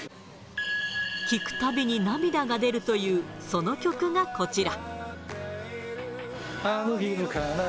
聴くたびに涙が出るという、その曲がこちら。